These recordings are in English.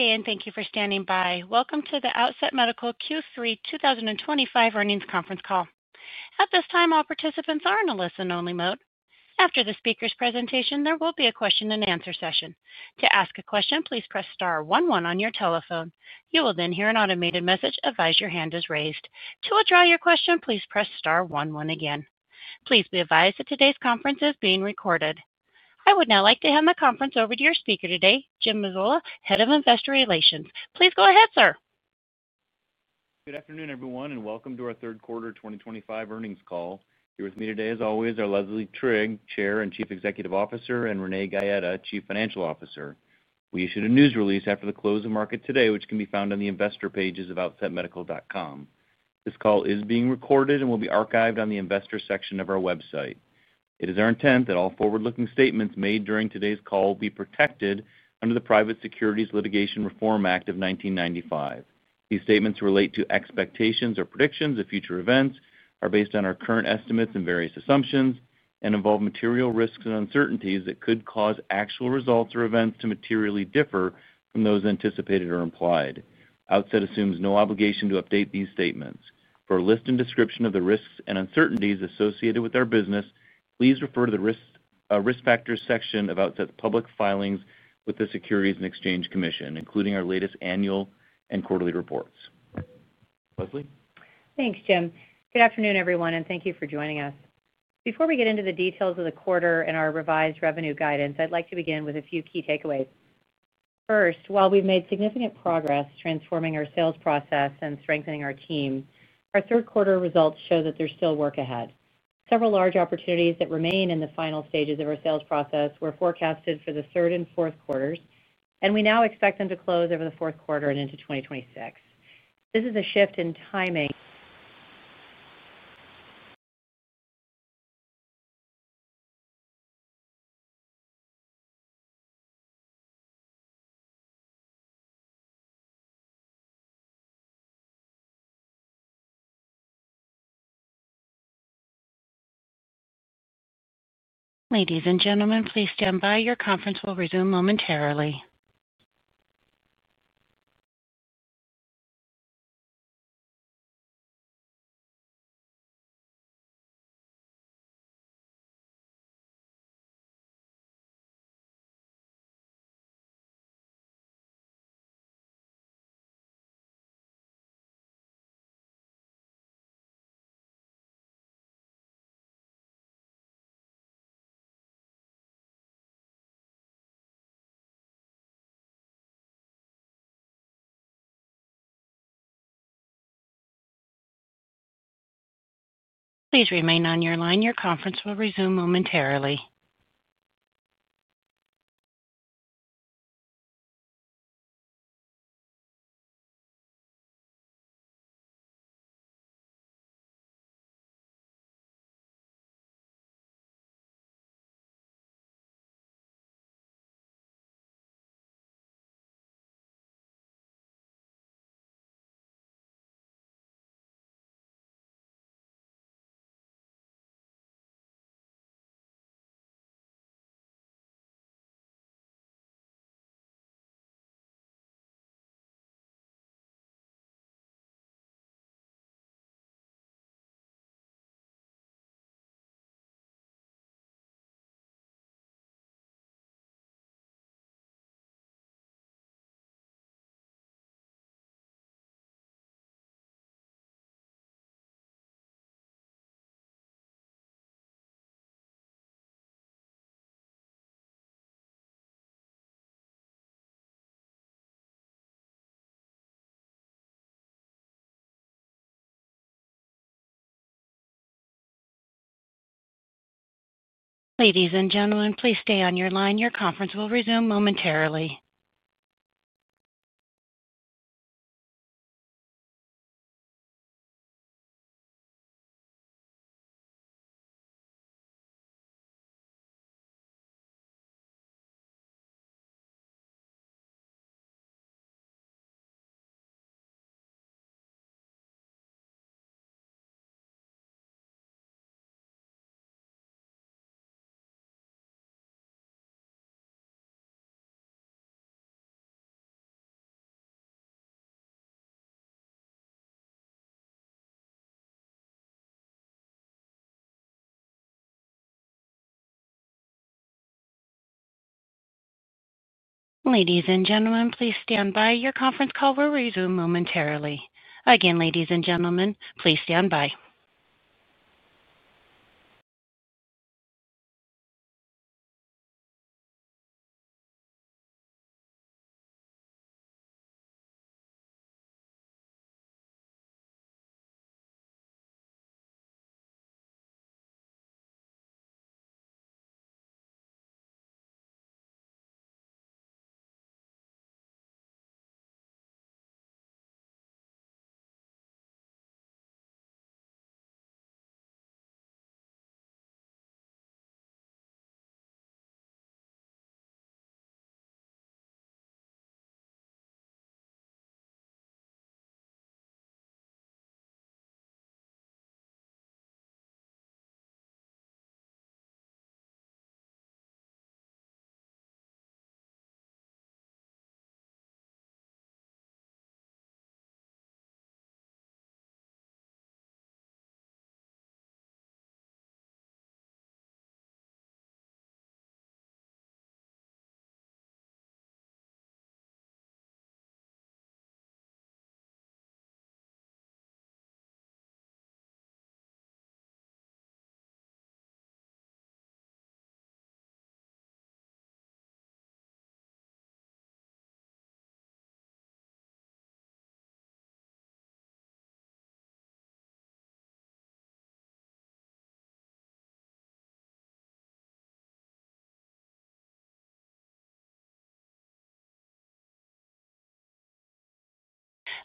Good day, and thank you for standing by. Welcome to the Outset Medical Q3 2025 earnings conference call. At this time, all participants are in a listen-only mode. After the speaker's presentation, there will be a question-and-answer session. To ask a question, please press star one one on your telephone. You will then hear an automated message: "Advise your hand is raised." To withdraw your question, please press star one one again. Please be advised that today's conference is being recorded. I would now like to hand the conference over to your speaker today, Jim Mazzola, Head of Investor Relations. Please go ahead, sir. Good afternoon, everyone, and welcome to our third quarter 2025 earnings call. Here with me today, as always, are Leslie Trigg, Chair and Chief Executive Officer, and Renee Gaeta, Chief Financial Officer. We issued a news release after the close of market today, which can be found on the investor pages of outsetmedical.com. This call is being recorded and will be archived on the investor section of our website. It is our intent that all forward-looking statements made during today's call be protected under the Private Securities Litigation Reform Act of 1995. These statements relate to expectations or predictions of future events, are based on our current estimates and various assumptions, and involve material risks and uncertainties that could cause actual results or events to materially differ from those anticipated or implied. Outset assumes no obligation to update these statements. For a list and description of the risks and uncertainties associated with our business, please refer to the risk factors section of Outset's public filings with the Securities and Exchange Commission, including our latest annual and quarterly reports. Leslie? Thanks, Jim. Good afternoon, everyone, and thank you for joining us. Before we get into the details of the quarter and our revised revenue guidance, I'd like to begin with a few key takeaways. First, while we've made significant progress transforming our sales process and strengthening our team, our third quarter results show that there's still work ahead. Several large opportunities that remain in the final stages of our sales process were forecasted for the third and fourth quarters, and we now expect them to close over the fourth quarter and into 2026. This is a shift in timing. Ladies and gentlemen, please stand by. Your conference will resume momentarily. Please remain on your line. Your conference will resume momentarily. Ladies and gentlemen, please stay on your line. Your conference will resume momentarily. Ladies and gentlemen, please stand by. Your conference call will resume momentarily. Again, ladies and gentlemen, please stand by.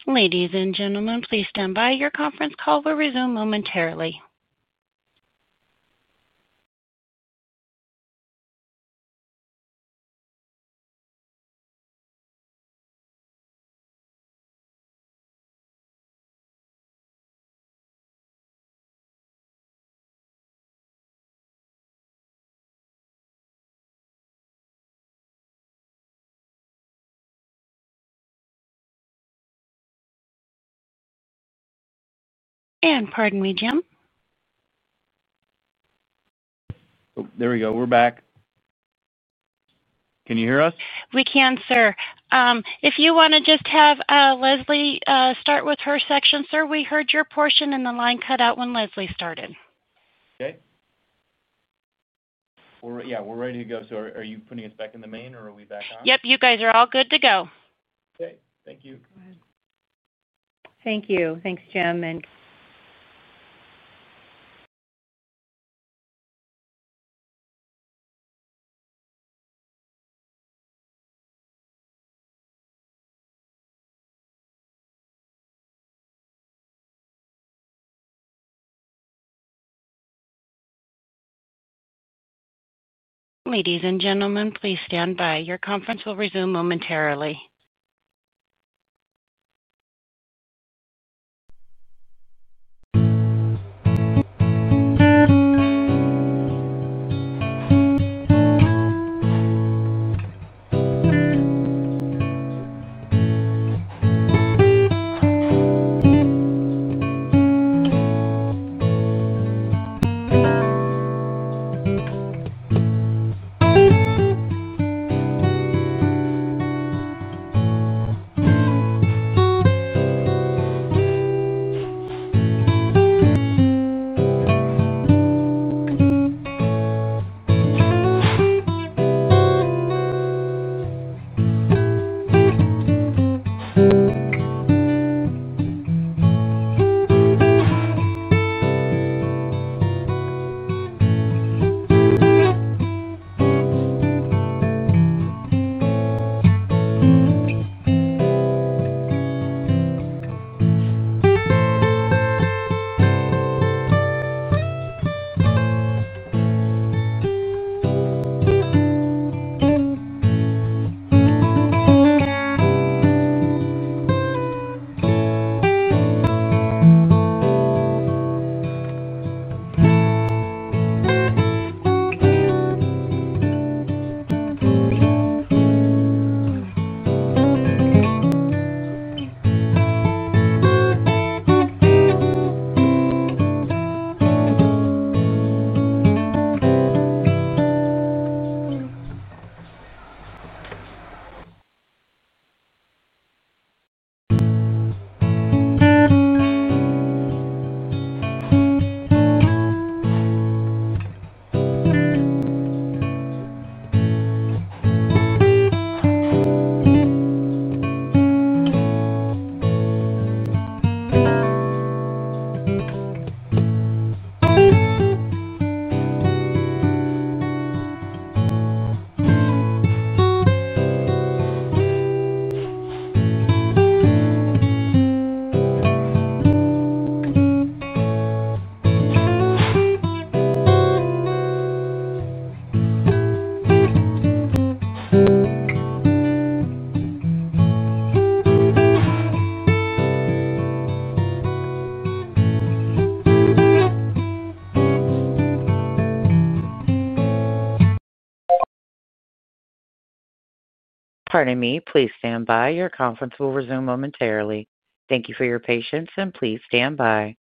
Your conference call will resume momentarily. Pardon me, Jim? Oh, there we go. We're back. Can you hear us? We can, sir. If you want to just have Leslie start with her section, sir, we heard your portion, and the line cut out when Leslie started. Okay. Yeah, we're ready to go. Are you putting us back in the main, or are we back on? Yep, you guys are all good to go. Okay. Thank you. Thank you. Thanks, Jim. Ladies and gentlemen, please stand by. Your conference will resume momentarily. Pardon me. Please stand by. Your conference will resume momentarily. Thank you for your patience, and please stand by.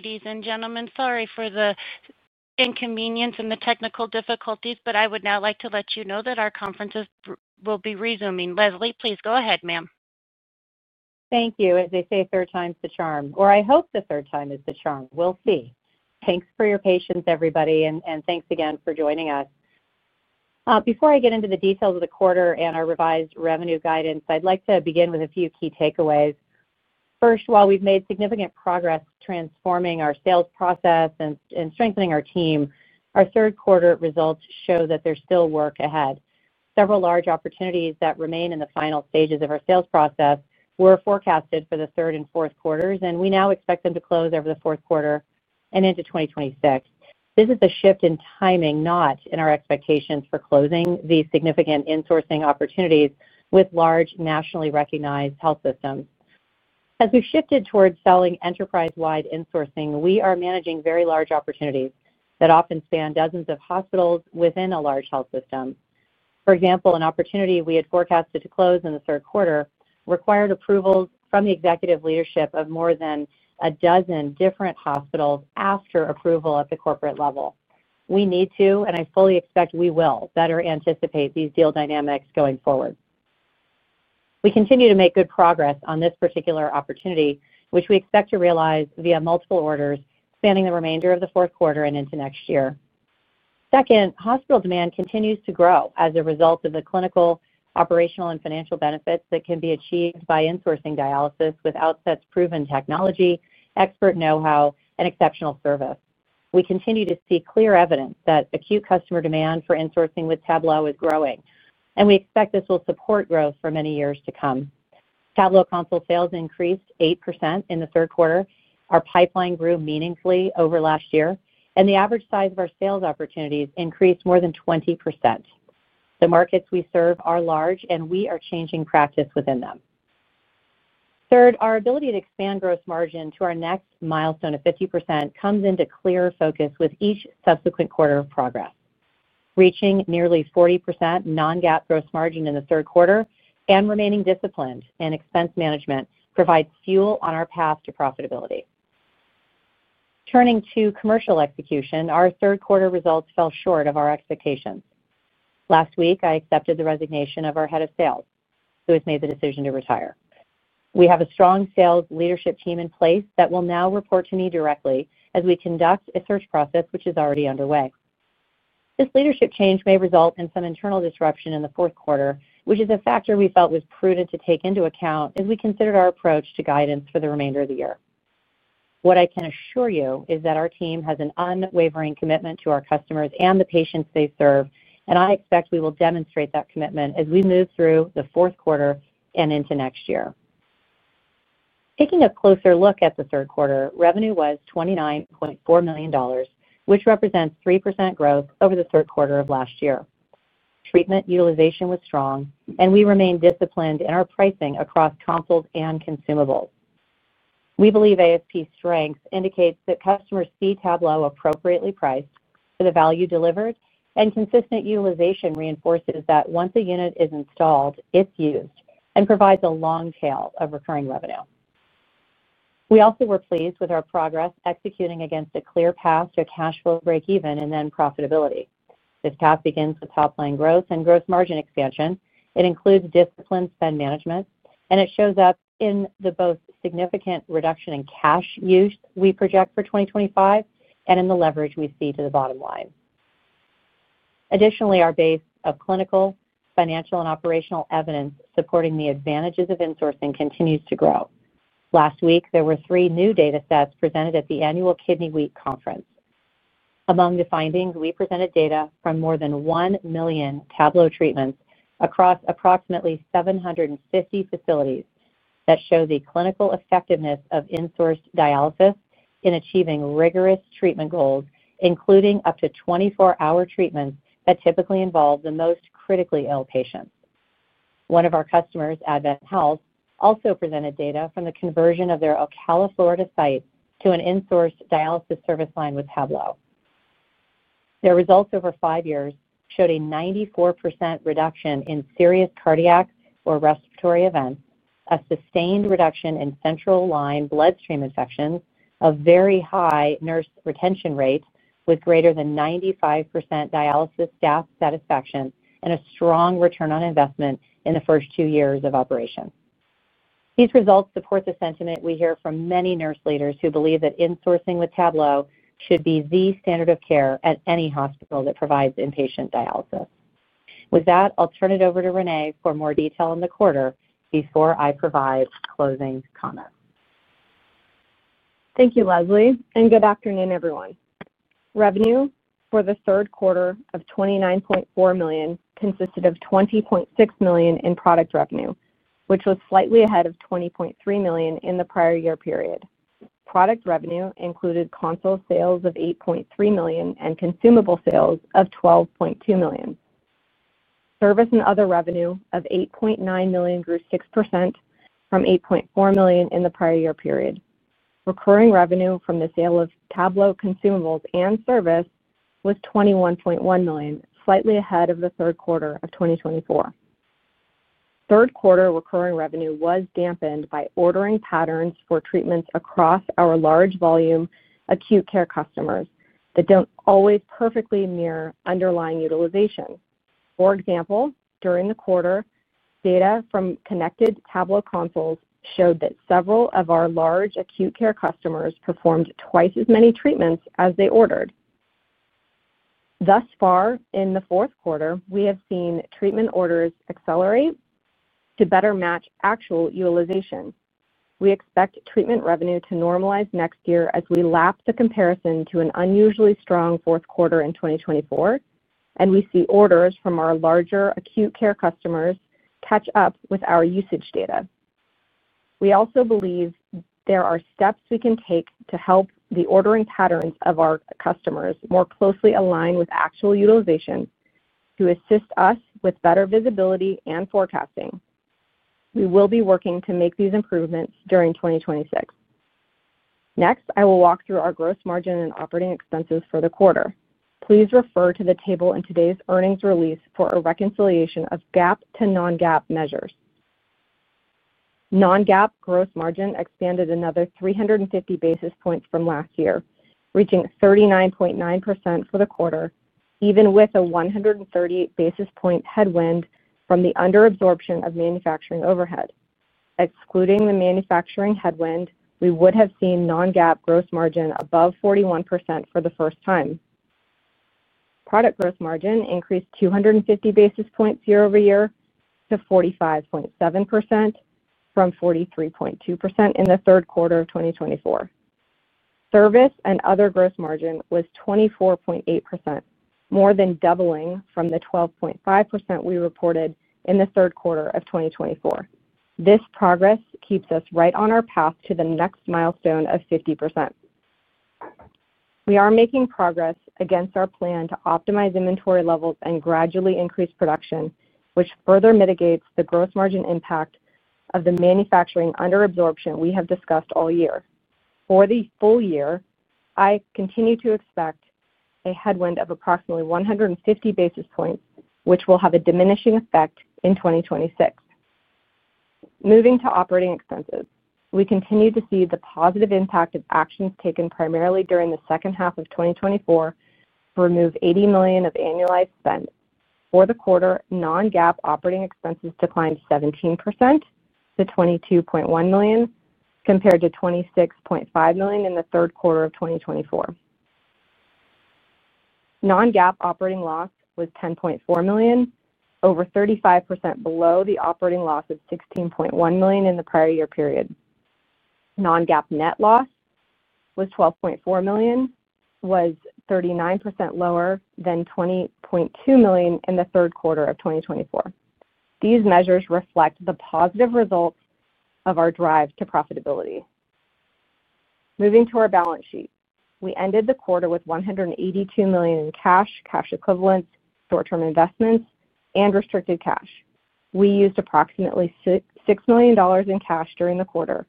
Ladies and gentlemen, sorry for the inconvenience and the technical difficulties, but I would now like to let you know that our conference will be resuming. Leslie, please go ahead, ma'am. Thank you. As they say, third time's the charm, or I hope the third time is the charm. We'll see. Thanks for your patience, everybody, and thanks again for joining us. Before I get into the details of the quarter and our revised revenue guidance, I'd like to begin with a few key takeaways. First, while we've made significant progress transforming our sales process and strengthening our team, our third quarter results show that there's still work ahead. Several large opportunities that remain in the final stages of our sales process were forecasted for the third and fourth quarters, and we now expect them to close over the fourth quarter and into 2026. This is a shift in timing, not in our expectations for closing these significant insourcing opportunities with large nationally recognized health systems. As we've shifted towards selling enterprise-wide insourcing, we are managing very large opportunities that often span dozens of hospitals within a large health system. For example, an opportunity we had forecasted to close in the third quarter required approvals from the executive leadership of more than a dozen different hospitals after approval at the corporate level. We need to, and I fully expect we will, better anticipate these deal dynamics going forward. We continue to make good progress on this particular opportunity, which we expect to realize via multiple orders spanning the remainder of the fourth quarter and into next year. Second, hospital demand continues to grow as a result of the clinical, operational, and financial benefits that can be achieved by insourcing dialysis with Outset's proven technology, expert know-how, and exceptional service. We continue to see clear evidence that acute customer demand for insourcing with Tablo is growing, and we expect this will support growth for many years to come. Tablo console sales increased 8% in the third quarter. Our pipeline grew meaningfully over last year, and the average size of our sales opportunities increased more than 20%. The markets we serve are large, and we are changing practice within them. Third, our ability to expand gross margin to our next milestone of 50% comes into clear focus with each subsequent quarter of progress. Reaching nearly 40% non-GAAP gross margin in the third quarter and remaining disciplined in expense management provides fuel on our path to profitability. Turning to commercial execution, our third quarter results fell short of our expectations. Last week, I accepted the resignation of our Head of Sales, who has made the decision to retire. We have a strong sales leadership team in place that will now report to me directly as we conduct a search process, which is already underway. This leadership change may result in some internal disruption in the fourth quarter, which is a factor we felt was prudent to take into account as we considered our approach to guidance for the remainder of the year. What I can assure you is that our team has an unwavering commitment to our customers and the patients they serve, and I expect we will demonstrate that commitment as we move through the fourth quarter and into next year. Taking a closer look at the third quarter, revenue was $29.4 million, which represents 3% growth over the third quarter of last year. Treatment utilization was strong, and we remain disciplined in our pricing across consult and consumables. We believe ASP's strength indicates that customers see Tablo appropriately priced for the value delivered, and consistent utilization reinforces that once a unit is installed, it's used and provides a long tail of recurring revenue. We also were pleased with our progress executing against a clear path to a cash flow breakeven and then profitability. This path begins with top-line growth and gross margin expansion. It includes disciplined spend management, and it shows up in both significant reduction in cash use we project for 2025 and in the leverage we see to the bottom line. Additionally, our base of clinical, financial, and operational evidence supporting the advantages of insourcing continues to grow. Last week, there were three new data sets presented at the annual Kidney Week conference. Among the findings, we presented data from more than 1 million Tablo treatments across approximately 750 facilities that show the clinical effectiveness of insourced dialysis in achieving rigorous treatment goals, including up to 24-hour treatments that typically involve the most critically ill patients. One of our customers, AdventHealth, also presented data from the conversion of their Ocala, Florida site to an insourced dialysis service line with Tablo. Their results over five years showed a 94% reduction in serious cardiac or respiratory events, a sustained reduction in central line bloodstream infections, a very high nurse retention rate with greater than 95% dialysis staff satisfaction, and a strong return on investment in the first two years of operation. These results support the sentiment we hear from many nurse leaders who believe that insourcing with Tablo should be the standard of care at any hospital that provides inpatient dialysis. With that, I'll turn it over to Renee for more detail in the quarter before I provide closing comments. Thank you, Leslie, and good afternoon, everyone. Revenue for the third quarter of $29.4 million consisted of $20.6 million in product revenue, which was slightly ahead of $20.3 million in the prior year period. Product revenue included consult sales of $8.3 million and consumable sales of $12.2 million. Service and other revenue of $8.9 million grew 6% from $8.4 million in the prior year period. Recurring revenue from the sale of Tablo consumables and service was $21.1 million, slightly ahead of the third quarter of 2024. Third quarter recurring revenue was dampened by ordering patterns for treatments across our large volume acute care customers that do not always perfectly mirror underlying utilization. For example, during the quarter, data from connected [Tablo Consult] showed that several of our large acute care customers performed twice as many treatments as they ordered. Thus far, in the fourth quarter, we have seen treatment orders accelerate to better match actual utilization. We expect treatment revenue to normalize next year as we lap the comparison to an unusually strong fourth quarter in 2024, and we see orders from our larger acute care customers catch up with our usage data. We also believe there are steps we can take to help the ordering patterns of our customers more closely align with actual utilization to assist us with better visibility and forecasting. We will be working to make these improvements during 2026. Next, I will walk through our gross margin and operating expenses for the quarter. Please refer to the table in today's earnings release for a reconciliation of GAAP to non-GAAP measures. Non-GAAP gross margin expanded another 350 basis points from last year, reaching 39.9% for the quarter, even with a 130 basis point headwind from the underabsorption of manufacturing overhead. Excluding the manufacturing headwind, we would have seen non-GAAP gross margin above 41% for the first time. Product gross margin increased 250 basis points year-over-year to 45.7% from 43.2% in the third quarter of 2024. Service and other gross margin was 24.8%, more than doubling from the 12.5% we reported in the third quarter of 2024. This progress keeps us right on our path to the next milestone of 50%. We are making progress against our plan to optimize inventory levels and gradually increase production, which further mitigates the gross margin impact of the manufacturing underabsorption we have discussed all year. For the full year, I continue to expect a headwind of approximately 150 basis points, which will have a diminishing effect in 2026. Moving to operating expenses, we continue to see the positive impact of actions taken primarily during the second half of 2024 to remove $80 million of annualized spend. For the quarter, non-GAAP operating expenses declined 17% to $22.1 million compared to $26.5 million in the third quarter of 2024. Non-GAAP operating loss was $10.4 million, over 35% below the operating loss of $16.1 million in the prior year period. Non-GAAP net loss was $12.4 million, was 39% lower than $20.2 million in the third quarter of 2024. These measures reflect the positive results of our drive to profitability. Moving to our balance sheet, we ended the quarter with $182 million in cash, cash equivalents, short-term investments, and restricted cash. We used approximately $6 million in cash during the quarter,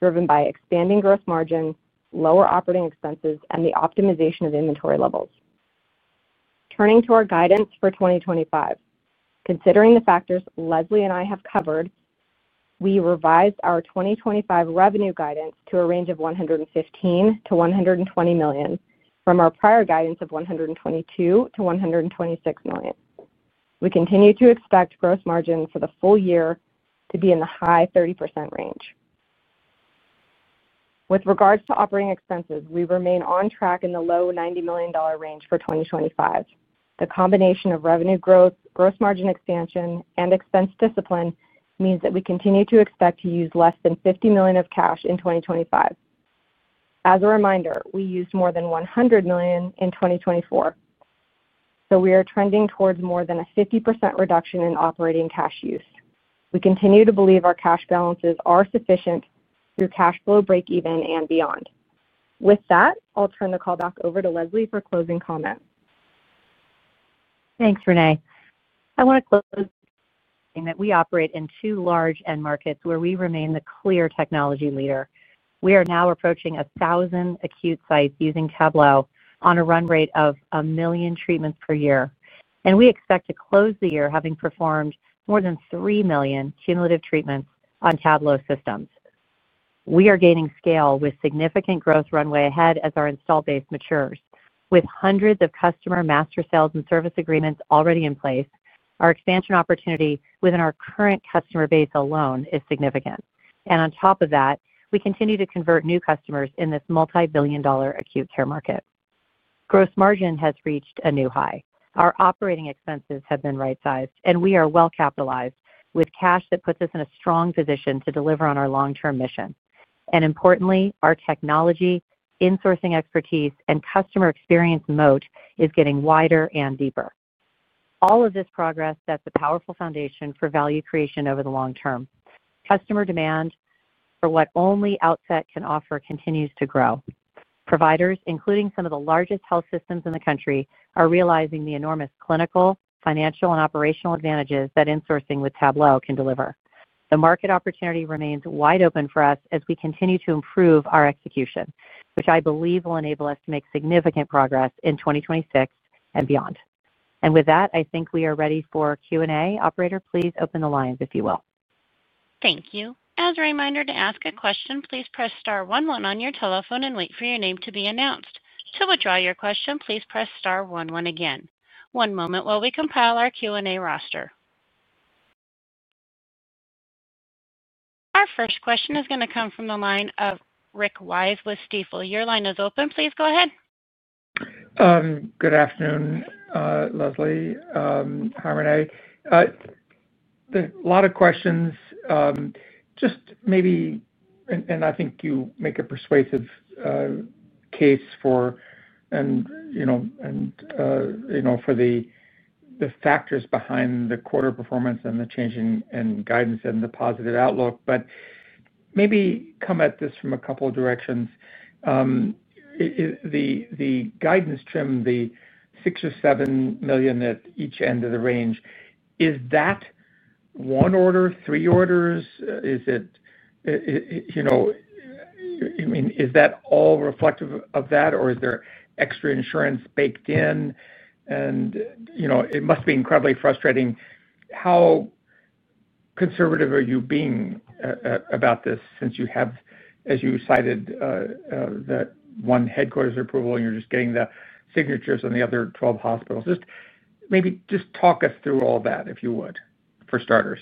driven by expanding gross margin, lower operating expenses, and the optimization of inventory levels. Turning to our guidance for 2025, considering the factors Leslie and I have covered, we revised our 2025 revenue guidance to a range of $115 million-$120 million from our prior guidance of $122 million-$126 million. We continue to expect gross margin for the full year to be in the high 30% range. With regards to operating expenses, we remain on track in the low $90 million range for 2025. The combination of revenue growth, gross margin expansion, and expense discipline means that we continue to expect to use less than $50 million of cash in 2025. As a reminder, we used more than $100 million in 2024, so we are trending towards more than a 50% reduction in operating cash use. We continue to believe our cash balances are sufficient through cash flow breakeven and beyond. With that, I'll turn the call back over to Leslie for closing comments. Thanks, Renee. I want to close by saying that we operate in two large end markets where we remain the clear technology leader. We are now approaching 1,000 acute sites using Tablo on a run rate of a million treatments per year, and we expect to close the year having performed more than 3 million cumulative treatments on Tablo systems. We are gaining scale with significant growth runway ahead as our install base matures. With hundreds of customer master sales and service agreements already in place, our expansion opportunity within our current customer base alone is significant. On top of that, we continue to convert new customers in this multi-billion dollar acute care market. Gross margin has reached a new high. Our operating expenses have been right-sized, and we are well capitalized with cash that puts us in a strong position to deliver on our long-term mission. Importantly, our technology, insourcing expertise, and customer experience moat is getting wider and deeper. All of this progress sets a powerful foundation for value creation over the long term. Customer demand for what only Outset can offer continues to grow. Providers, including some of the largest health systems in the country, are realizing the enormous clinical, financial, and operational advantages that insourcing with Tablo can deliver. The market opportunity remains wide open for us as we continue to improve our execution, which I believe will enable us to make significant progress in 2026 and beyond. I think we are ready for Q&A. Operator, please open the lines, if you will. Thank you. As a reminder to ask a question, please press star one one on your telephone and wait for your name to be announced. To withdraw your question, please press star one one again. One moment while we compile our Q&A roster. Our first question is going to come from the line of Rick Wise with Stifel. Your line is open. Please go ahead. Good afternoon, Leslie, hi, Renee. A lot of questions, just maybe, and I think you make a persuasive case for, and you know, for the factors behind the quarter performance and the change in guidance and the positive outlook, but maybe come at this from a couple of directions. The guidance trim, the $6 million or $7 million at each end of the range, is that one order, three orders? Is it, you know, I mean, is that all reflective of that, or is there extra insurance baked in? You know, it must be incredibly frustrating. How conservative are you being about this since you have, as you cited, that one headquarters approval, and you are just getting the signatures on the other 12 hospitals? Just maybe just talk us through all that, if you would, for starters.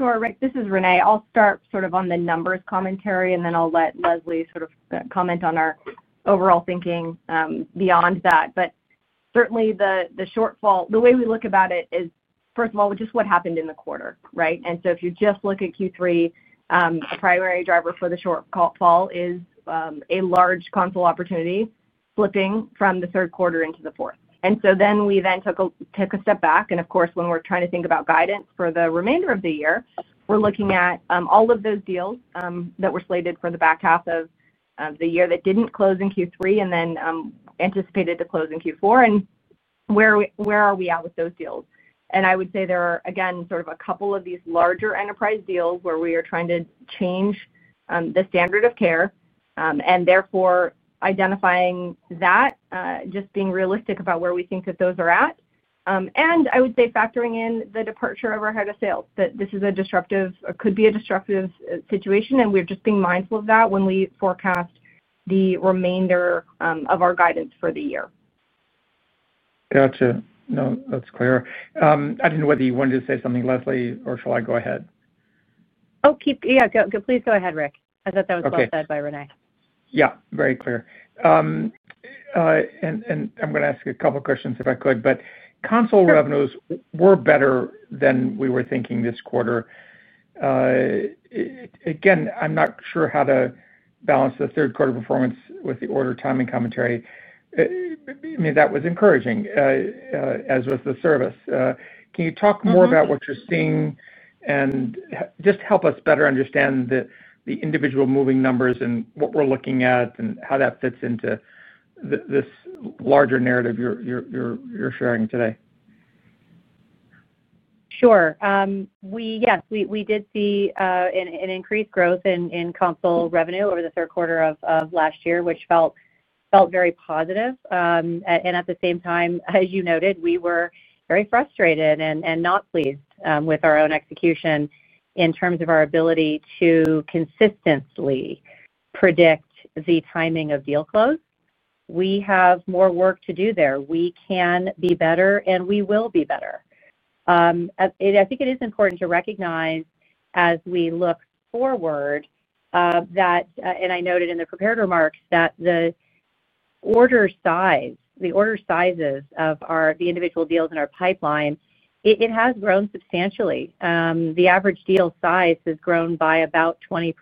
Sure. Rick, this is Renee. I'll start sort of on the numbers commentary, and then I'll let Leslie sort of comment on our overall thinking beyond that. Certainly, the shortfall, the way we look about it is, first of all, just what happened in the quarter, right? If you just look at Q3, a primary driver for the shortfall is a large console opportunity flipping from the third quarter into the fourth. We then took a step back. Of course, when we're trying to think about guidance for the remainder of the year, we're looking at all of those deals that were slated for the back half of the year that didn't close in Q3 and then anticipated to close in Q4. Where are we at with those deals? I would say there are, again, sort of a couple of these larger enterprise deals where we are trying to change the standard of care and therefore identifying that, just being realistic about where we think that those are at. I would say factoring in the departure of our Head of Sales, that this is a disruptive, or could be a disruptive situation, and we're just being mindful of that when we forecast the remainder of our guidance for the year. Gotcha. No, that's clear. I didn't know whether you wanted to say something, Leslie, or shall I go ahead? Oh, keep, yeah, please go ahead, Rick. I thought that was well said by Renee. Yeah, very clear. I'm going to ask a couple of questions if I could, but console revenues were better than we were thinking this quarter. Again, I'm not sure how to balance the third quarter performance with the order timing commentary. I mean, that was encouraging, as was the service. Can you talk more about what you're seeing and just help us better understand the individual moving numbers and what we're looking at and how that fits into this larger narrative you're sharing today? Sure. Yes, we did see an increased growth in console revenue over the third quarter of last year, which felt very positive. At the same time, as you noted, we were very frustrated and not pleased with our own execution in terms of our ability to consistently predict the timing of deal close. We have more work to do there. We can be better, and we will be better. I think it is important to recognize as we look forward that, and I noted in the prepared remarks that the order size, the order sizes of the individual deals in our pipeline, it has grown substantially. The average deal size has grown by about 20%.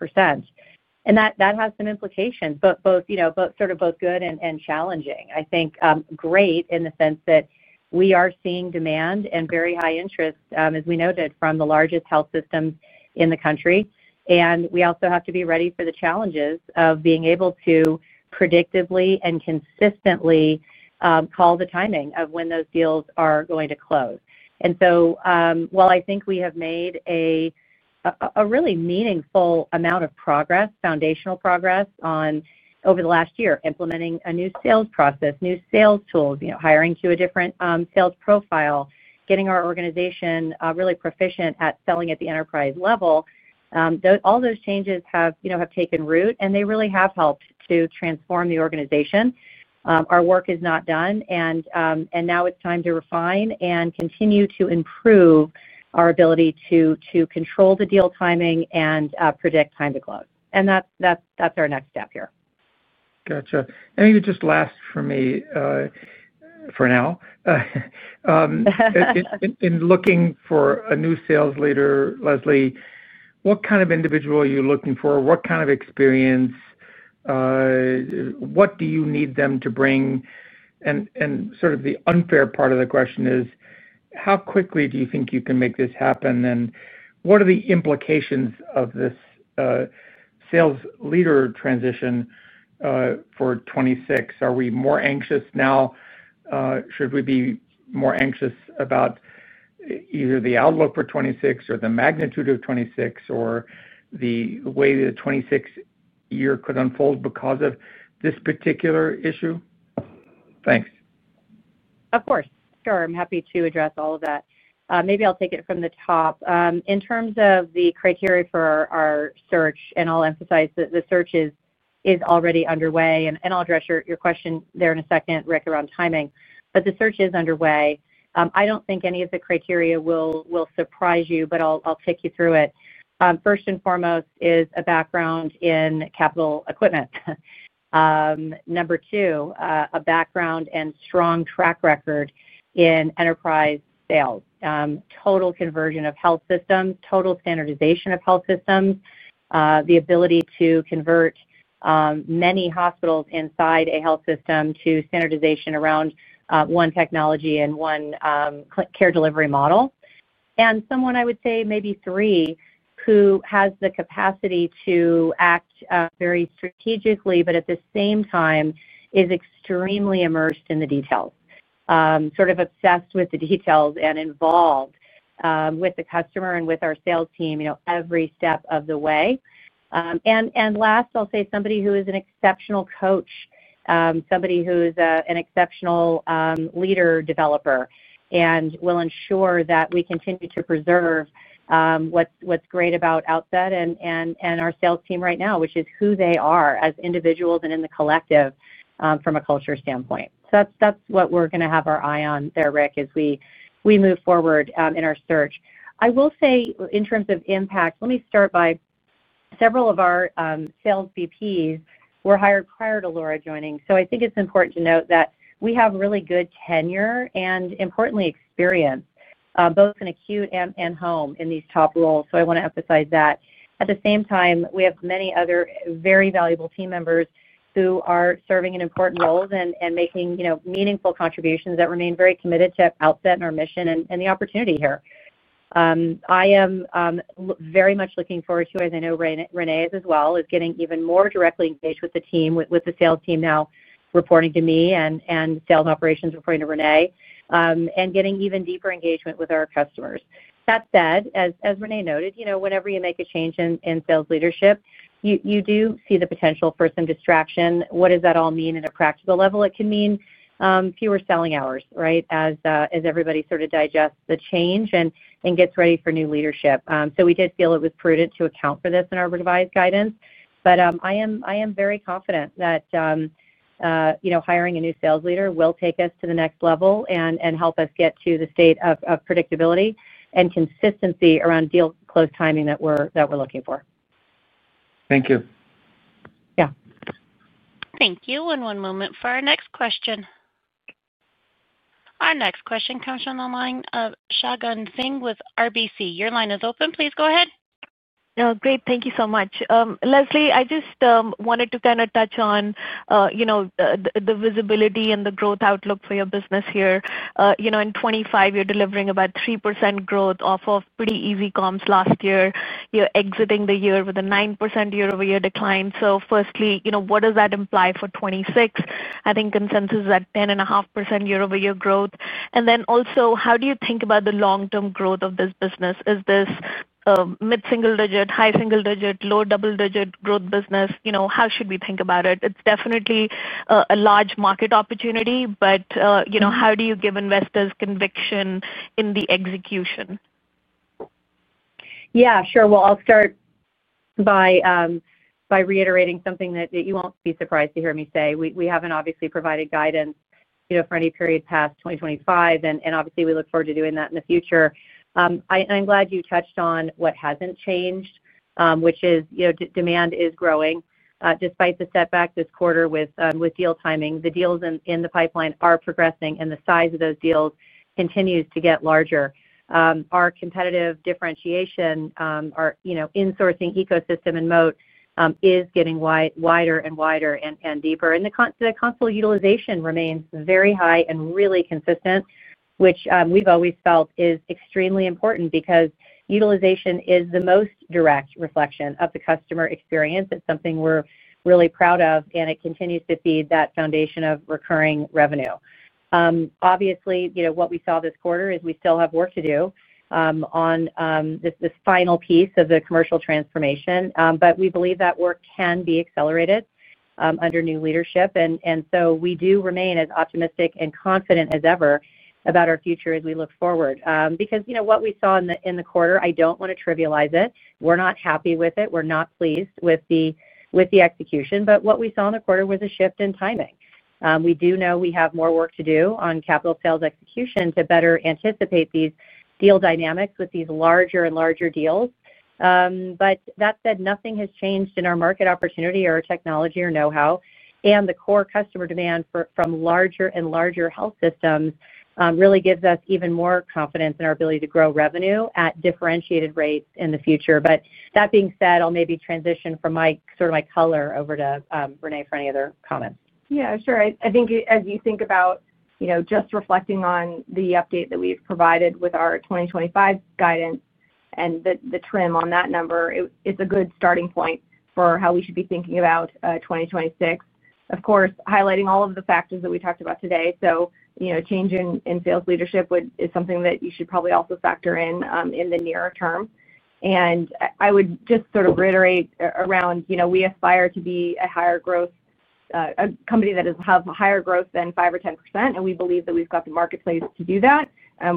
That has some implications, both, you know, sort of both good and challenging. I think great in the sense that we are seeing demand and very high interest, as we noted, from the largest health systems in the country. We also have to be ready for the challenges of being able to predictably and consistently call the timing of when those deals are going to close. While I think we have made a really meaningful amount of progress, foundational progress over the last year, implementing a new sales process, new sales tools, you know, hiring to a different sales profile, getting our organization really proficient at selling at the enterprise level, all those changes have taken root, and they really have helped to transform the organization. Our work is not done, and now it is time to refine and continue to improve our ability to control the deal timing and predict time to close. That is our next step here. Gotcha. Maybe just last for me for now. In looking for a new sales leader, Leslie, what kind of individual are you looking for? What kind of experience? What do you need them to bring? The unfair part of the question is, how quickly do you think you can make this happen? What are the implications of this sales leader transition for 2026? Are we more anxious now? Should we be more anxious about either the outlook for 2026 or the magnitude of 2026 or the way the 2026 year could unfold because of this particular issue? Thanks. Of course. Sure. I'm happy to address all of that. Maybe I'll take it from the top. In terms of the criteria for our search, and I'll emphasize that the search is already underway, and I'll address your question there in a second, Rick, around timing, but the search is underway. I don't think any of the criteria will surprise you, but I'll take you through it. First and foremost is a background in capital equipment. Number two, a background and strong track record in enterprise sales. Total conversion of health systems, total standardization of health systems, the ability to convert many hospitals inside a health system to standardization around one technology and one care delivery model. Someone, I would say, maybe three, who has the capacity to act very strategically, but at the same time is extremely immersed in the details, sort of obsessed with the details and involved with the customer and with our sales team, you know, every step of the way. Last, I'll say somebody who is an exceptional coach, somebody who's an exceptional leader developer and will ensure that we continue to preserve what's great about Outset and our sales team right now, which is who they are as individuals and in the collective from a culture standpoint. That's what we're going to have our eye on there, Rick, as we move forward in our search. I will say in terms of impact, let me start by several of our sales VPs were hired prior to Laura joining. I think it's important to note that we have really good tenure and, importantly, experience, both in acute and home in these top roles. I want to emphasize that. At the same time, we have many other very valuable team members who are serving in important roles and making meaningful contributions that remain very committed to Outset and our mission and the opportunity here. I am very much looking forward to, as I know Renee is as well, getting even more directly engaged with the team, with the sales team now reporting to me and sales operations reporting to Renee, and getting even deeper engagement with our customers. That said, as Renee noted, you know, whenever you make a change in sales leadership, you do see the potential for some distraction. What does that all mean on a practical level? It can mean fewer selling hours, right, as everybody sort of digests the change and gets ready for new leadership. We did feel it was prudent to account for this in our revised guidance. I am very confident that, you know, hiring a new sales leader will take us to the next level and help us get to the state of predictability and consistency around deal close timing that we're looking for. Thank you. Yeah. Thank you. One moment for our next question. Our next question comes from the line of Shagun Singh with RBC. Your line is open. Please go ahead. No, great. Thank you so much. Leslie, I just wanted to kind of touch on, you know, the visibility and the growth outlook for your business here. You know, in 2025, you're delivering about 3% growth off of pretty easy comms last year. You're exiting the year with a 9% year-over-year decline. So firstly, you know, what does that imply for 2026? I think consensus is at 10.5% year-over-year growth. And then also, how do you think about the long-term growth of this business? Is this mid-single digit, high single digit, low double digit growth business? You know, how should we think about it? It's definitely a large market opportunity, but, you know, how do you give investors conviction in the execution? Yeah, sure. I'll start by reiterating something that you won't be surprised to hear me say. We haven't obviously provided guidance, you know, for any period past 2025, and obviously we look forward to doing that in the future. I'm glad you touched on what hasn't changed, which is, you know, demand is growing. Despite the setback this quarter with deal timing, the deals in the pipeline are progressing, and the size of those deals continues to get larger. Our competitive differentiation, our, you know, insourcing ecosystem in moat is getting wider and wider and deeper. The console utilization remains very high and really consistent, which we've always felt is extremely important because utilization is the most direct reflection of the customer experience. It's something we're really proud of, and it continues to feed that foundation of recurring revenue. Obviously, you know, what we saw this quarter is we still have work to do on this final piece of the commercial transformation, but we believe that work can be accelerated under new leadership. We do remain as optimistic and confident as ever about our future as we look forward because, you know, what we saw in the quarter, I don't want to trivialize it. We're not happy with it. We're not pleased with the execution, but what we saw in the quarter was a shift in timing. We do know we have more work to do on capital sales execution to better anticipate these deal dynamics with these larger and larger deals. That said, nothing has changed in our market opportunity or our technology or know-how. The core customer demand from larger and larger health systems really gives us even more confidence in our ability to grow revenue at differentiated rates in the future. That being said, I'll maybe transition from my sort of my color over to Renee for any other comments. Yeah, sure. I think as you think about, you know, just reflecting on the update that we've provided with our 2025 guidance and the trim on that number, it's a good starting point for how we should be thinking about 2026. Of course, highlighting all of the factors that we talked about today. You know, change in sales leadership is something that you should probably also factor in in the near term. I would just sort of reiterate around, you know, we aspire to be a higher growth company that has higher growth than 5% or 10%, and we believe that we've got the marketplace to do that.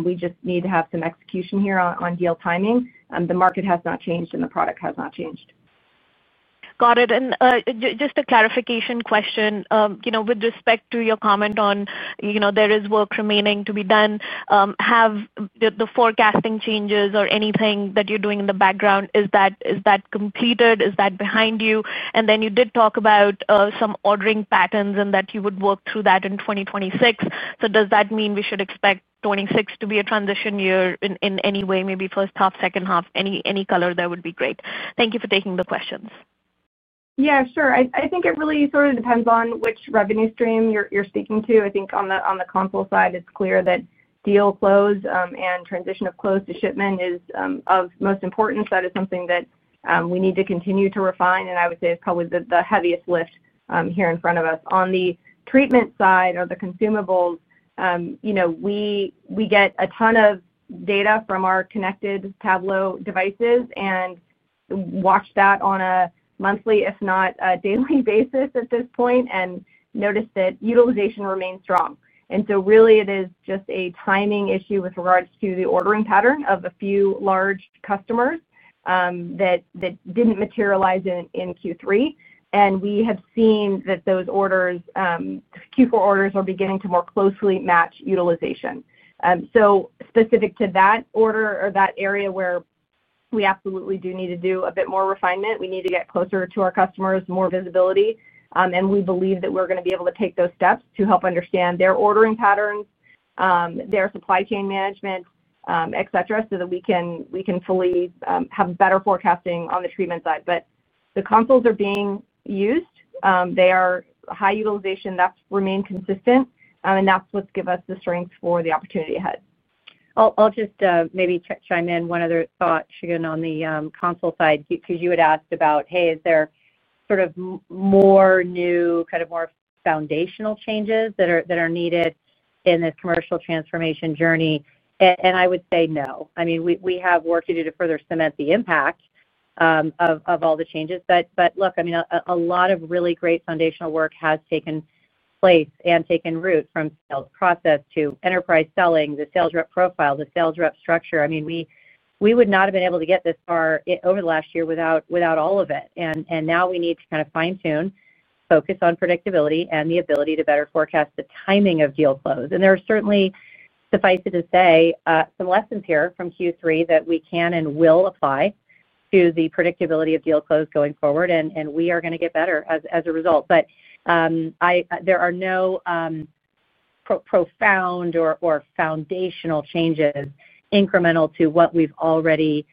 We just need to have some execution here on deal timing. The market has not changed and the product has not changed. Got it. And just a clarification question, you know, with respect to your comment on, you know, there is work remaining to be done, have the forecasting changes or anything that you're doing in the background, is that completed? Is that behind you? And then you did talk about some ordering patterns and that you would work through that in 2026. So does that mean we should expect 2026 to be a transition year in any way, maybe first half, second half, any color there would be great. Thank you for taking the questions. Yeah, sure. I think it really sort of depends on which revenue stream you're speaking to. I think on the console side, it's clear that deal close and transition of close to shipment is of most importance. That is something that we need to continue to refine. I would say it's probably the heaviest lift here in front of us. On the treatment side of the consumables, you know, we get a ton of data from our connected Tablo devices and watch that on a monthly, if not a daily basis at this point, and notice that utilization remains strong. It is just a timing issue with regards to the ordering pattern of a few large customers that didn't materialize in Q3. We have seen that those orders, Q4 orders, are beginning to more closely match utilization. Specific to that order or that area where we absolutely do need to do a bit more refinement, we need to get closer to our customers, more visibility. We believe that we're going to be able to take those steps to help understand their ordering patterns, their supply chain management, et cetera, so that we can fully have better forecasting on the treatment side. The consoles are being used. They are high utilization. That's remained consistent. That's what's given us the strength for the opportunity ahead. I'll just maybe chime in one other thought, Shagun, on the console side, because you had asked about, hey, is there sort of more new, kind of more foundational changes that are needed in this commercial transformation journey? I would say no. I mean, we have work to do to further cement the impact of all the changes. Look, I mean, a lot of really great foundational work has taken place and taken root from sales process to enterprise selling, the sales rep profile, the sales rep structure. I mean, we would not have been able to get this far over the last year without all of it. Now we need to kind of fine-tune, focus on predictability and the ability to better forecast the timing of deal close. There are certainly, suffice it to say, some lessons here from Q3 that we can and will apply to the predictability of deal close going forward. We are going to get better as a result. There are no profound or foundational changes incremental to what we've already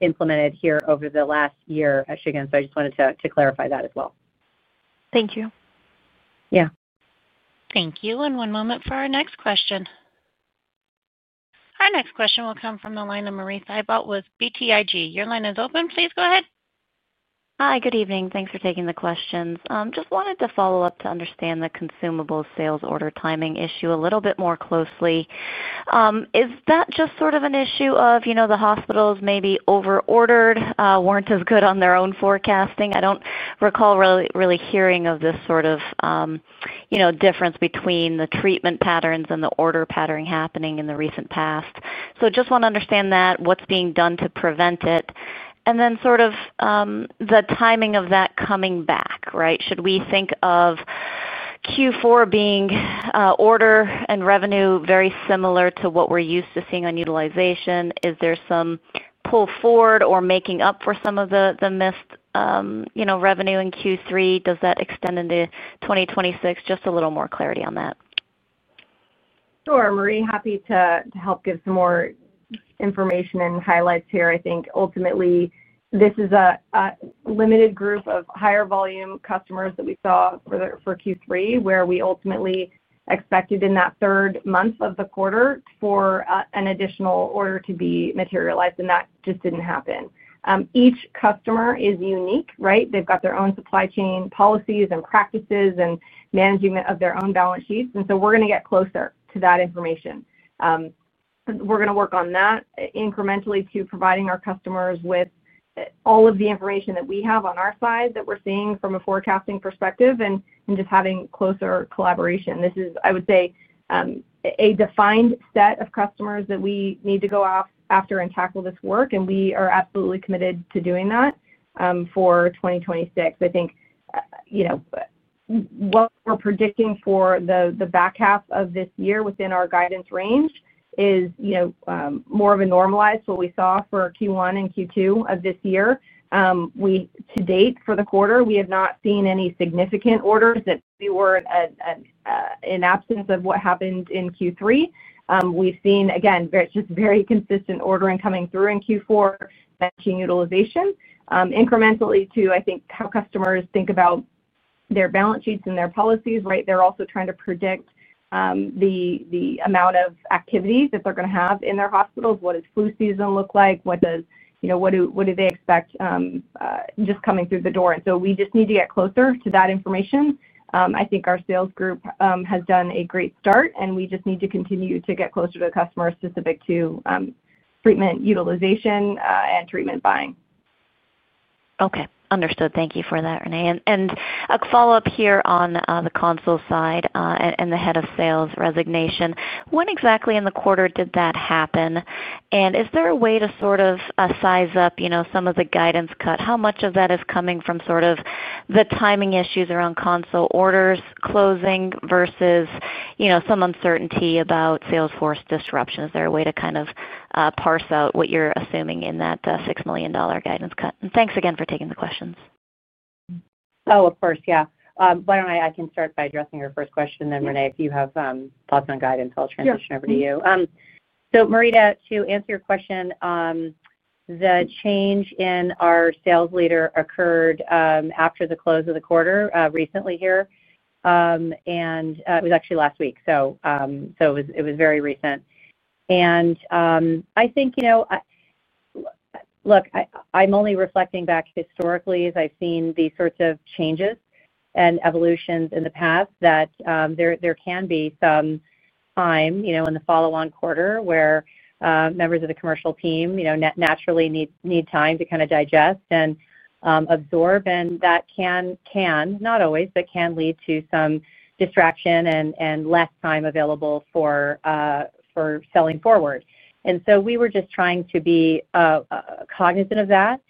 implemented here over the last year at Shagun. I just wanted to clarify that as well. Thank you. Yeah. Thank you. One moment for our next question. Our next question will come from the line of Marie Thibault I bought with BTIG. Your line is open. Please go ahead. Hi, good evening. Thanks for taking the questions. Just wanted to follow up to understand the consumables sales order timing issue a little bit more closely. Is that just sort of an issue of, you know, the hospitals maybe overordered, were not as good on their own forecasting? I do not recall really hearing of this sort of, you know, difference between the treatment patterns and the order pattern happening in the recent past. Just want to understand that, what is being done to prevent it. And then sort of the timing of that coming back, right? Should we think of Q4 being order and revenue very similar to what we are used to seeing on utilization? Is there some pull forward or making up for some of the missed, you know, revenue in Q3? Does that extend into 2026? Just a little more clarity on that. Sure. Marie, happy to help give some more information and highlights here. I think ultimately this is a limited group of higher volume customers that we saw for Q3 where we ultimately expected in that third month of the quarter for an additional order to be materialized. That just did not happen. Each customer is unique, right? They have got their own supply chain policies and practices and management of their own balance sheets. We are going to get closer to that information. We are going to work on that incrementally to providing our customers with all of the information that we have on our side that we are seeing from a forecasting perspective and just having closer collaboration. This is, I would say, a defined set of customers that we need to go after and tackle this work. We are absolutely committed to doing that for 2026. I think, you know, what we're predicting for the back half of this year within our guidance range is, you know, more of a normalize to what we saw for Q1 and Q2 of this year. To date for the quarter, we have not seen any significant orders that we were in absence of what happened in Q3. We've seen, again, just very consistent ordering coming through in Q4, matching utilization incrementally to, I think, how customers think about their balance sheets and their policies, right? They're also trying to predict the amount of activities that they're going to have in their hospitals. What does flu season look like? What do they expect just coming through the door? We just need to get closer to that information. I think our sales group has done a great start, and we just need to continue to get closer to customers specific to treatment utilization and treatment buying. Okay. Understood. Thank you for that, Renee. A follow-up here on the console side and the Head of Sales resignation. When exactly in the quarter did that happen? Is there a way to sort of size up, you know, some of the guidance cut? How much of that is coming from sort of the timing issues around console orders closing versus, you know, some uncertainty about Salesforce disruption? Is there a way to kind of parse out what you're assuming in that $6 million guidance cut? Thanks again for taking the questions. Oh, of course. Yeah. Why don't I start by addressing your first question, then Renee, if you have thoughts on guidance. I'll transition over to you. So Marie, to answer your question, the change in our sales leader occurred after the close of the quarter recently here. And it was actually last week. It was very recent. I think, you know, look, I'm only reflecting back historically as I've seen these sorts of changes and evolutions in the past that there can be some time, you know, in the follow-on quarter where members of the commercial team, you know, naturally need time to kind of digest and absorb. That can, not always, but can lead to some distraction and less time available for selling forward. We were just trying to be cognizant of that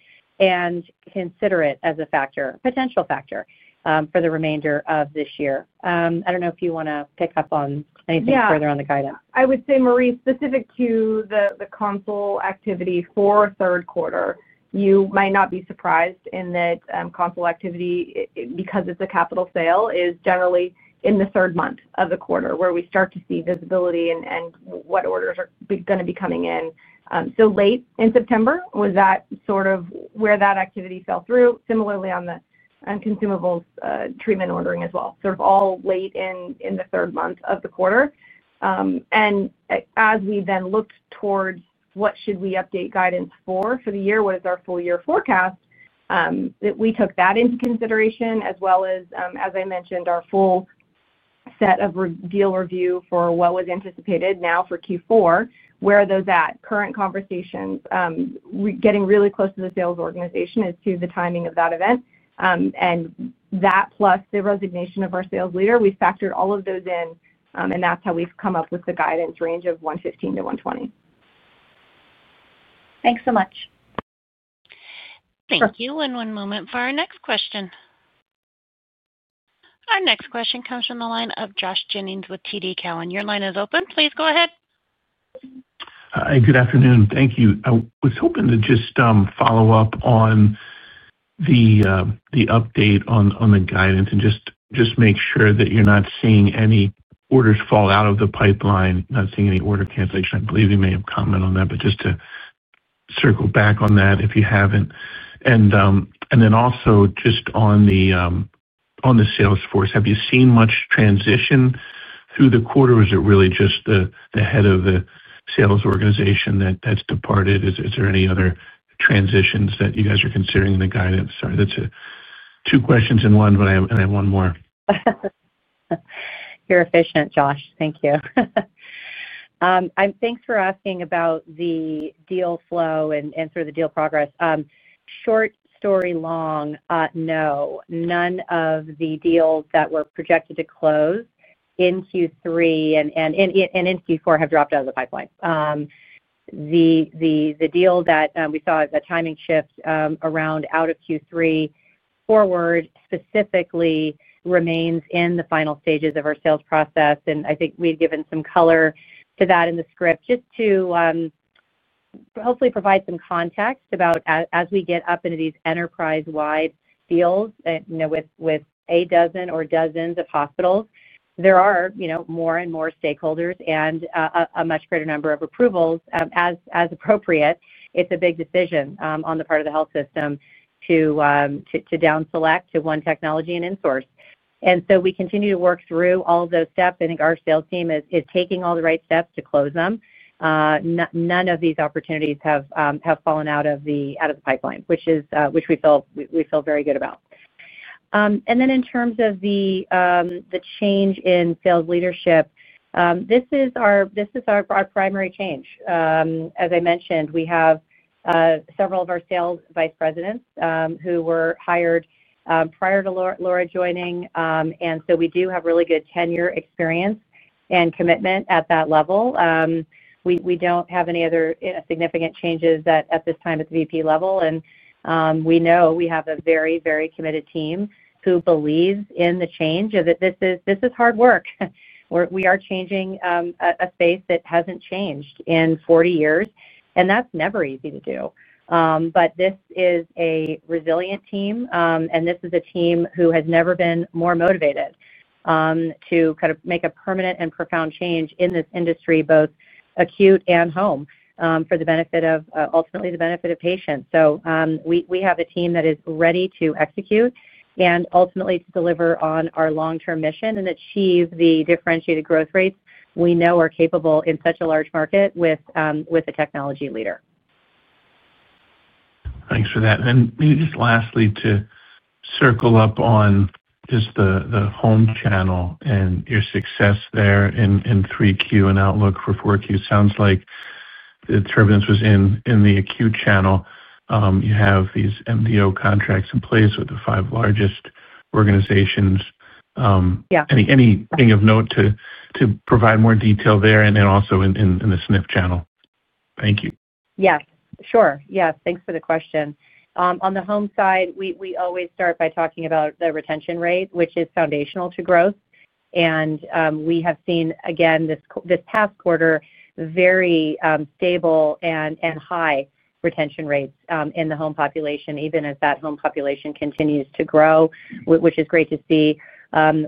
and consider it as a factor, potential factor for the remainder of this year. I do not know if you want to pick up on anything further on the guidance. Yeah. I would say, Marie, specific to the console activity for third quarter, you might not be surprised in that console activity, because it is a capital sale, is generally in the third month of the quarter where we start to see visibility and what orders are going to be coming in. Late in September was that sort of where that activity fell through. Similarly, on the consumables treatment ordering as well, sort of all late in the third month of the quarter. As we then looked towards what should we update guidance for for the year, what is our full year forecast, we took that into consideration as well as, as I mentioned, our full set of deal review for what was anticipated now for Q4. Where are those at? Current conversations, getting really close to the sales organization as to the timing of that event. That plus the resignation of our sales leader, we factored all of those in. That is how we've come up with the guidance range of $115 million-$120 million. Thanks so much. Thank you. One moment for our next question. Our next question comes from the line of Josh Jennings with TD Cowen. Your line is open. Please go ahead. Good afternoon. Thank you. I was hoping to just follow up on the update on the guidance and just make sure that you're not seeing any orders fall out of the pipeline, not seeing any order cancellation. I believe you may have commented on that, but just to circle back on that if you haven't. Also, just on the Salesforce, have you seen much transition through the quarter? Is it really just the head of the sales organization that's departed? Is there any other transitions that you guys are considering in the guidance? Sorry, that's two questions in one, but I have one more. You're efficient, Josh. Thank you. Thanks for asking about the deal flow and through the deal progress. Short story long, no. None of the deals that were projected to close in Q3 and in Q4 have dropped out of the pipeline. The deal that we saw, the timing shift around out of Q3 forward specifically remains in the final stages of our sales process. I think we've given some color to that in the script just to hopefully provide some context about as we get up into these enterprise-wide deals with a dozen or dozens of hospitals, there are more and more stakeholders and a much greater number of approvals as appropriate. It's a big decision on the part of the health system to downselect to one technology and in-source. We continue to work through all of those steps. I think our sales team is taking all the right steps to close them. None of these opportunities have fallen out of the pipeline, which we feel very good about. In terms of the change in sales leadership, this is our primary change. As I mentioned, we have several of our sales Vice Presidents who were hired prior to Laura joining. We do have really good tenure, experience, and commitment at that level. We do not have any other significant changes at this time at the VP level. We know we have a very, very committed team who believes in the change, that this is hard work. We are changing a space that has not changed in 40 years. That is never easy to do. This is a resilient team. This is a team who has never been more motivated to kind of make a permanent and profound change in this industry, both acute and home, for the benefit of ultimately the benefit of patients. We have a team that is ready to execute and ultimately to deliver on our long-term mission and achieve the differentiated growth rates we know are capable in such a large market with a technology leader. Thanks for that. Maybe just lastly, to circle up on just the home channel and your success there in 3Q and outlook for 4Q, it sounds like the turbulence was in the acute channel. You have these MDO contracts in place with the five largest organizations. Anything of note to provide more detail there and then also in the [SNF] channel? Thank you. Yes. Sure. Yes. Thanks for the question. On the home side, we always start by talking about the retention rate, which is foundational to growth. We have seen, again, this past quarter, very stable and high retention rates in the home population, even as that home population continues to grow, which is great to see.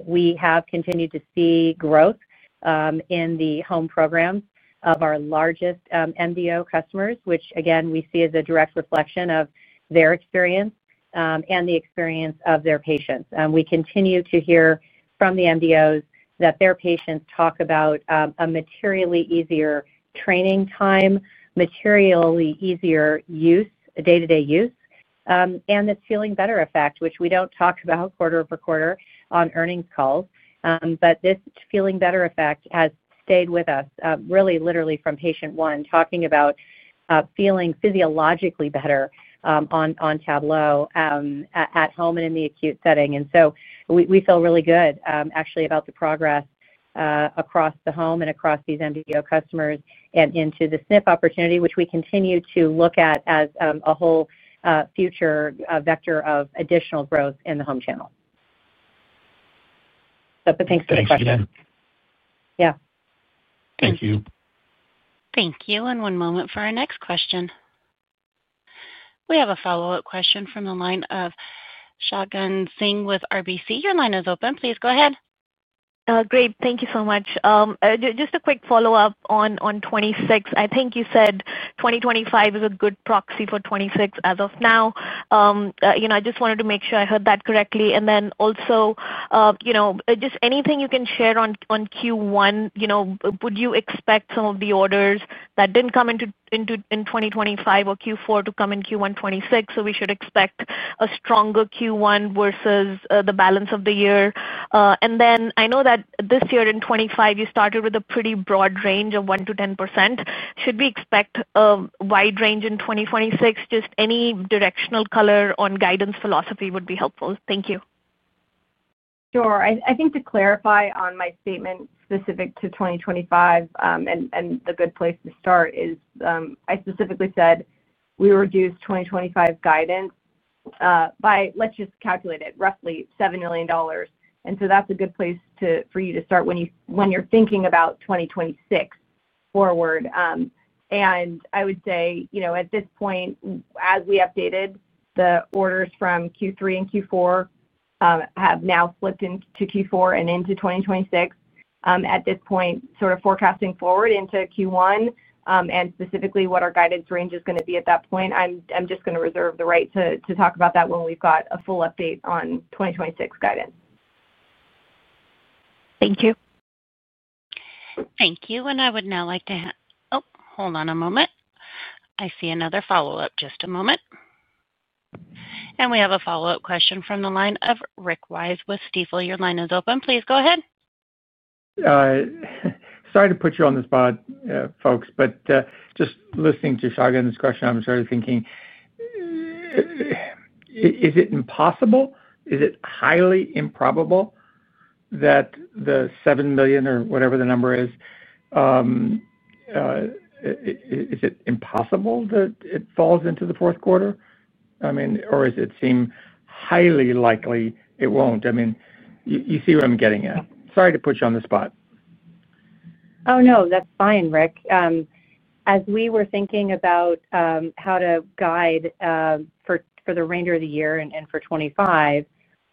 We have continued to see growth in the home programs of our largest MDO customers, which, again, we see as a direct reflection of their experience and the experience of their patients. We continue to hear from the MDOs that their patients talk about a materially easier training time, materially easier use, day-to-day use, and this feeling better effect, which we do not talk about quarter over quarter on earnings calls. This feeling better effect has stayed with us, really, literally from patient one, talking about feeling physiologically better on Tablo at home and in the acute setting. We feel really good, actually, about the progress across the home and across these MDO customers and into the SNF opportunity, which we continue to look at as a whole future vector of additional growth in the home channel. Thanks for the question. Thanks, [again]. Yeah. Thank you. Thank you. One moment for our next question. We have a follow-up question from the line of Shagun Singh with RBC. Your line is open. Please go ahead. Great. Thank you so much. Just a quick follow-up on 2026. I think you said 2025 is a good proxy for 2026 as of now. You know, I just wanted to make sure I heard that correctly. Also, you know, just anything you can share on Q1, you know, would you expect some of the orders that did not come into 2025 or Q4 to come in Q1 2026? We should expect a stronger Q1 versus the balance of the year. I know that this year in 2025, you started with a pretty broad range of 1-10%. Should we expect a wide range in 2026? Just any directional color on guidance philosophy would be helpful. Thank you. Sure. I think to clarify on my statement specific to 2025 and the good place to start is I specifically said we reduced 2025 guidance by, let's just calculate it, roughly $7 million. That's a good place for you to start when you're thinking about 2026 forward. I would say, you know, at this point, as we updated the orders from Q3 and Q4, have now slipped into Q4 and into 2026. At this point, sort of forecasting forward into Q1 and specifically what our guidance range is going to be at that point, I'm just going to reserve the right to talk about that when we've got a full update on 2026 guidance. Thank you. Thank you. I would now like to, oh, hold on a moment. I see another follow-up. Just a moment. We have a follow-up question from the line of Rick Wise with Stifel. Your line is open. Please go ahead. Sorry to put you on the spot, folks, but just listening to Shagun's question, I'm sort of thinking, is it impossible? Is it highly improbable that the $7 million or whatever the number is, is it impossible that it falls into the fourth quarter? I mean, or does it seem highly likely it won't? I mean, you see what I'm getting at. Sorry to put you on the spot. Oh, no, that's fine, Rick. As we were thinking about how to guide for the remainder of the year and for 2025,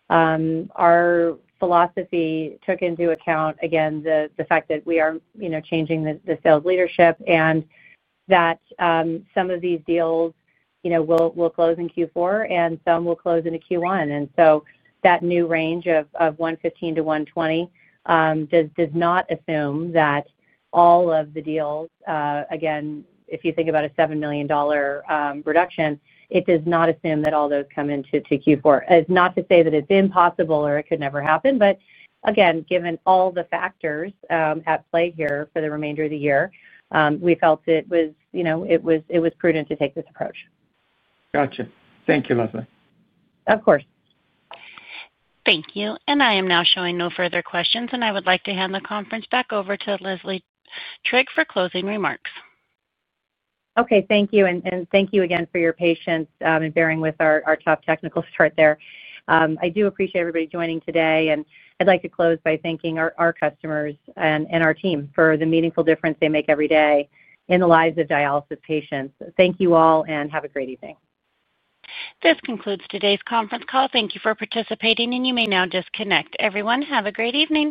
our philosophy took into account, again, the fact that we are changing the sales leadership and that some of these deals will close in Q4 and some will close into Q1. That new range of $115 million-$120 million does not assume that all of the deals, again, if you think about a $7 million reduction, it does not assume that all those come into Q4. It is not to say that it is impossible or it could never happen. Again, given all the factors at play here for the remainder of the year, we felt it was prudent to take this approach. Gotcha. Thank you, Leslie. Of course. Thank you. I am now showing no further questions. I would like to hand the conference back over to Leslie Trigg for closing remarks. Okay. Thank you. Thank you again for your patience and bearing with our tough technical start there. I do appreciate everybody joining today. I would like to close by thanking our customers and our team for the meaningful difference they make every day in the lives of dialysis patients. Thank you all and have a great evening. This concludes today's conference call. Thank you for participating. You may now disconnect. Everyone, have a great evening.